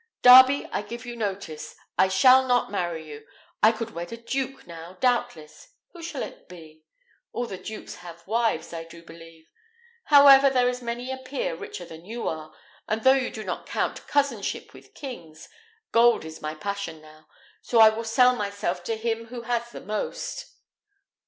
Darby, I give you notice: I shall not marry you. I could wed a duke now, doubtless: who shall it be? All the dukes have wives, I do believe. However, there is many a peer richer than you are, and though you do not count cousinship with kings, gold is my passion now; so I will sell myself to him who has the most."